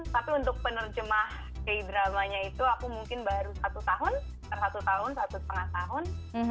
tapi untuk penerjemah k dramanya itu aku mungkin baru satu tahun satu tahun satu setengah tahun